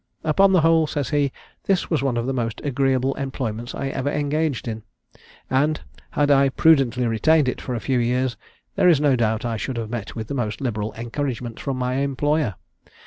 "Upon the whole," says he, "this was one of the most agreeable employments I ever engaged in; and, had I prudently retained it for a few years, there is no doubt I should have met with the most liberal encouragement from my employer.